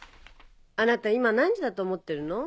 あなた今何時だと思ってるの？